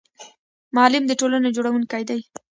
معلم د ټولنې جوړونکی دی